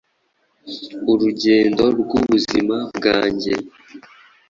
Urugendo rw’Ubuzima bwanjye